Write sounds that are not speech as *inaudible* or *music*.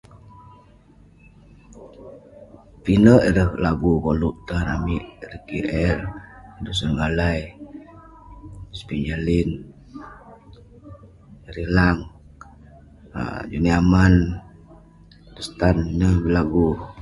Pinek ireh lagu koluk tan amik. Ricky L, Andrewson Ngalai, *unintelligible* Rilang, um Jonny Aman, *unintelligible* neh belagu.